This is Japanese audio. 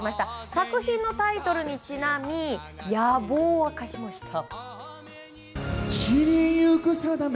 作品のタイトルにちなみ野望化しました。